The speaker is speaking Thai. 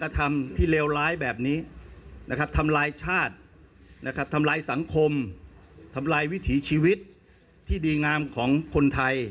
ทำลายสังคมทำลายวิถีชีวิตที่ดีงามของคนไทย